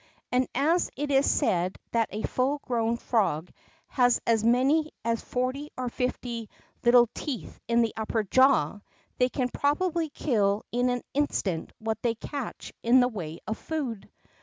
And as it is said that a full grown frog has as many as forty or flfty little teeth in the upper jaw, they can probably kill in an instant what they catch in the way of food.